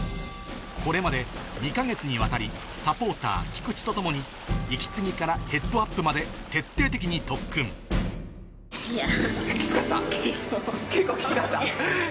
これまで２か月にわたりサポーター菊池と共に息継ぎからヘッドアップまで徹底的に特訓結構きつかった？